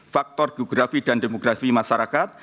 faktor geografi dan demografi masyarakat